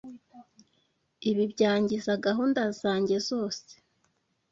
Ibi byangiza gahunda zanjye zose.